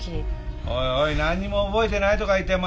おいおいなんにも覚えてないとか言ってお前